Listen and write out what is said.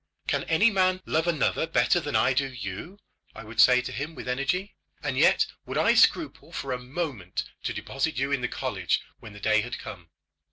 "Can any man love another better than I do you?" I would say to him with energy; "and yet would I scruple for a moment to deposit you in the college when the day had come?